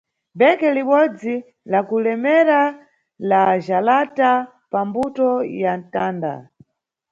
Bheke libodzi lakulemera la jalata pa mbuto ya mtanda.